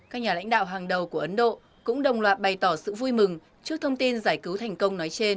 các nhà lãnh đạo hàng đầu của ấn độ cũng đồng loạt bày tỏ sự vui mừng trước thông tin giải cứu thành công nói trên